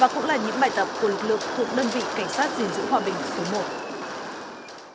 và cũng là những bài tập giải quyết tình huống giải quyết tình huống giải quyết tình huống giải quyết tình huống